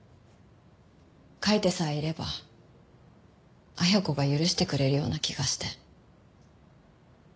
書いてさえいれば恵子が許してくれるような気がして。